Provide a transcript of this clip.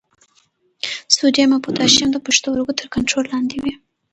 سوډیم او پوټاشیم د پښتورګو تر کنټرول لاندې وي.